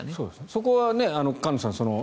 そこは菅野さん